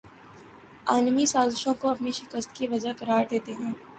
عالمی سازشوں کو اپنی شکست کی وجہ قرار دیتے ہیں